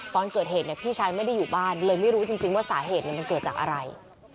ตอนเกิดเหตุพี่ชายไม่ได้อยู่บ้านเลยไม่รู้จริงว่าสาเหตุมันเกิดจากอะไร